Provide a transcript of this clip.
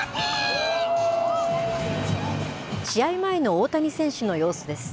試合前の大谷選手の様子です。